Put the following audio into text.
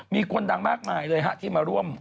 มีคนดังมากมายเลยฮะที่มาร่วม